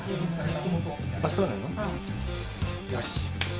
よし。